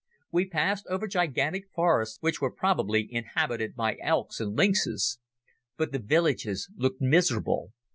We passed over gigantic forests which were probably inhabited by elks and lynxes. But the villages looked miserable.